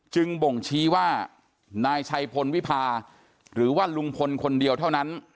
บ่งชี้ว่านายชัยพลวิพาหรือว่าลุงพลคนเดียวเท่านั้น